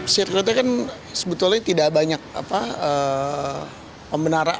sirkuitnya kan sebetulnya tidak banyak pembenaran